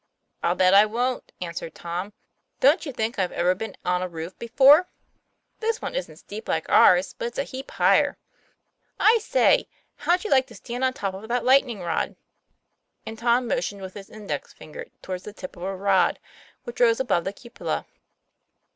"I'll bet I wont," answered Tom. "Don't you think I've ever been on a roof before? This one isn't steep like ours, but it's a heap higher. I say, how'd you like to stand on top of that lightning rod?" and Tom motioned with his index finger toward the tip of a rod, which rose above the cupola.